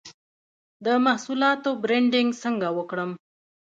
د محصولاتو برنډینګ څنګه وکړم؟